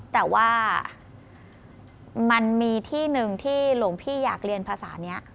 แต่ว่ามันมีที่หนึ่งที่หลวงพี่อยากเรียนภาษานี้